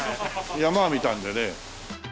山は見たんでね。